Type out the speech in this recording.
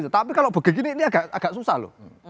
tetapi kalau begini ini agak susah loh